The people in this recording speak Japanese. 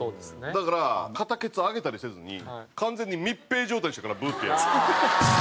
だから片ケツ上げたりせずに完全に密閉状態にしてからブッてやる。